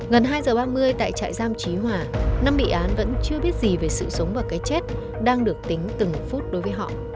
gần hai giờ ba mươi tại trại giam trí hỏa năm bị án vẫn chưa biết gì về sự sống và cái chết đang được tính từng phút đối với họ